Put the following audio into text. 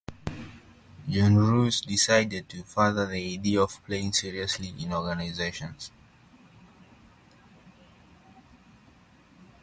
Johan Roos decided to develop further the idea of playing seriously in organizations.